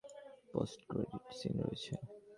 Post-credit scene রয়েছে।